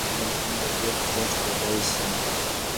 مرګ له ژونده ډیر خوږ کیدی سي.